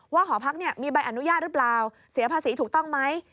หอพักมีใบอนุญาตหรือเปล่าเสียภาษีถูกต้องไหม